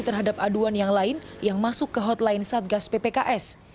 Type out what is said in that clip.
terhadap aduan yang lain yang masuk ke hotline satgas ppks